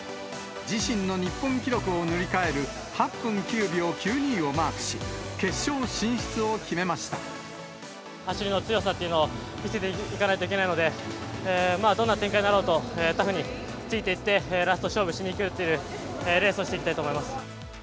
自身の日本記録を塗り替える８分９秒９２をマークし、決勝進出を走りの強さっていうのを見せていかないといけないので、どんな展開になろうと、タフについていって、ラスト勝負しにいくというレースをしていきたいと思います。